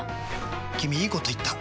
君いいこと言った！